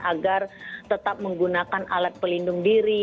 agar tetap menggunakan alat pelindung diri